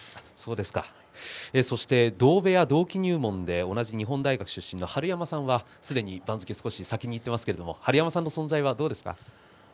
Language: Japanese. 同部屋、同期入門で同じ日本大学出身の春山さんはすでに番付、少し先にいっていますけれども春山さんの存在はどうですか？